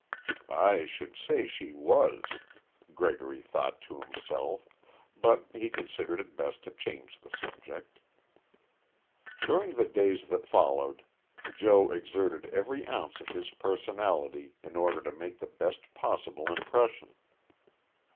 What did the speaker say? "I should say she was," Gregory thought to himself but he considered it best to change the subject. During the days that followed, Joe exerted every ounce of his personality in order to make the best possible impression.